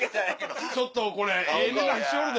ちょっとこれええ値段しよるで。